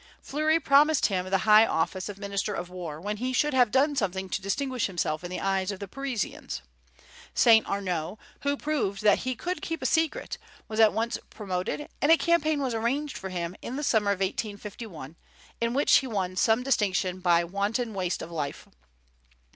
Fleury promised him the high office of minister of war, when he should have done something to distinguish himself in the eyes of the Parisians. Saint Arnaud, who proved that he could keep a secret, was at once promoted, and a campaign was arranged for him in the summer of 1851, in which he won some distinction by wanton waste of life.